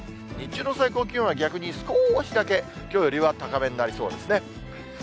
日中の最高気温は逆に少しだけきょうよりは高めになりそうですね。